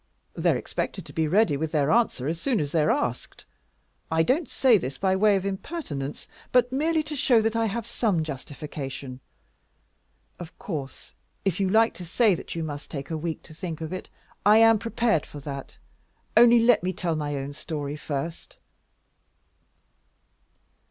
"They're expected to be ready with their answer as soon as they're asked. I don't say this by way of impertinence, but merely to show that I have some justification. Of course, if you like to say that you must take a week to think of it, I am prepared for that. Only let me tell my own story first."